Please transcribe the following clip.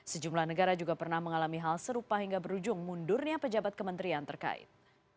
sejumlah negara juga pernah mengalami hal serupa hingga berujung mundurnya pejabat kementerian terkait